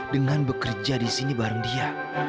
dengan bekerja di sini bareng dia